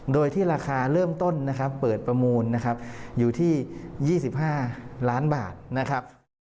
โดยที่ราคาเริ่มต้นนะครับเปิดประมูลนะครับอยู่ที่๒๕ล้านบาทนะครับ